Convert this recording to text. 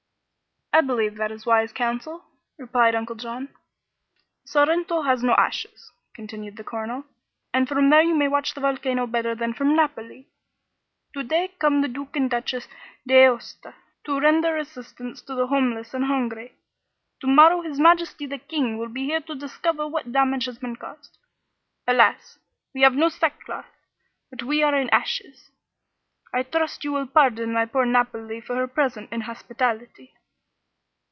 "I believe that is wise counsel," replied Uncle John. "Sorrento has no ashes," continued the Colonel, "and from there you may watch the volcano better than from Naples. To day come the Duke and Duchess d'Aosta to render assistance to the homeless and hungry; to morrow His Majesty the King will be here to discover what damage has been caused. Alas! we have no sackcloth, but we are in ashes. I trust you will pardon my poor Naples for her present inhospitality."